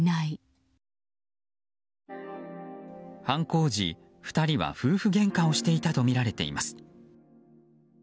犯行時、２人は夫婦げんかをしていたとみられています。